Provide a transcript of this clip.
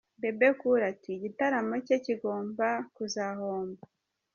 Bebe Cool ati “Igitaramo cye kigomba kuzahomba.